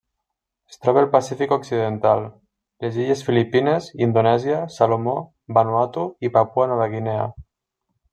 Es troba al Pacífic occidental: les illes Filipines, Indonèsia, Salomó, Vanuatu i Papua Nova Guinea.